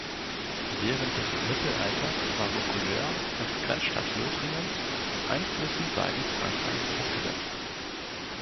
Während des Mittelalters war Vaucouleurs als Grenzstadt Lothringens Einflüssen seitens Frankreichs ausgesetzt.